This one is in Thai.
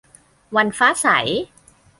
วันฟ้าใส